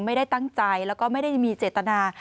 ไม่ได้ตั้งใจแล้วก็ไม่ได้มีเจตนา